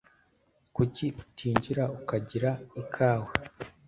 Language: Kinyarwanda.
Kuki utinjira ukagira ikawa?